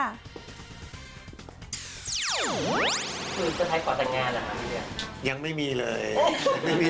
คือสุดท้ายขอแต่งงานล่ะครับพี่เวีย